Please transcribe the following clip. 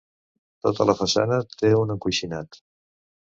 Tota la façana té un encoixinat.